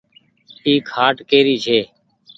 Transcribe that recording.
اي کآٽ ڪيري ڇي ۔